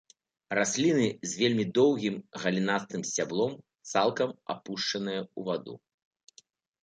Расліны з вельмі доўгім галінастым сцяблом, цалкам апушчаныя ў ваду.